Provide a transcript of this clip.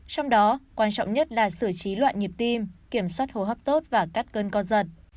trong đó quan trọng nhất là xử trí loạn nhịp tim kiểm soát hồ hấp tốt và cắt cơn co giật